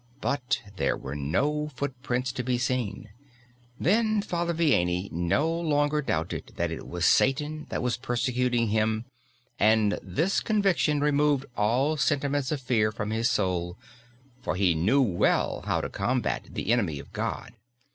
But there were no foot prints to be seen. Then Father Vianney no longer doubted that it was Satan that was persecuting him and this conviction removed all sentiments of fear from his soul, for he knew well how to combat the enemy of God.